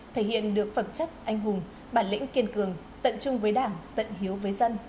thể hiện được phẩm chất anh hùng bản lĩnh kiên cường tận trung với đảng tận hiếu với dân